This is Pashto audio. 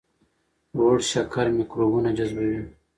لوړ شکر میکروبونه جذبوي.